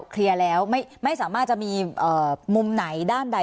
เคลียร์แล้วไม่สามารถจะมีมุมไหนด้านใด